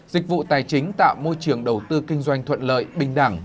dịch vụ tài chính tạo môi trường đầu tư kinh doanh thuận lợi bình đẳng